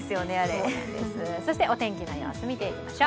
そしてお天気の様子見ていきましょう。